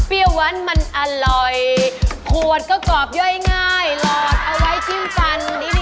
อร่อยขวดก็กรอบย่อยง่ายหลอดเอาไว้กินฟันดี